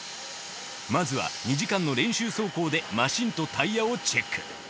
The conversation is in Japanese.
まずは２時間の練習走行でマシンとタイヤをチェック。